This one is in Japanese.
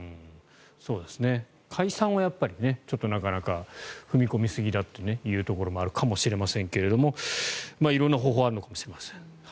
解散はやっぱりちょっとなかなか踏み込みすぎだというところがあるかもしれませんが色んな方法があるかもしれません。